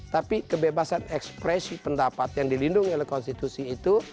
tapi kebebasan ekspresi pendapat yang dilindungi oleh konstitusi itu